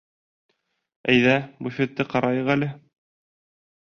Әйҙә, буфетты ҡарайыҡ әле!..